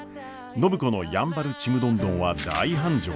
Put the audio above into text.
暢子のやんばるちむどんどんは大繁盛。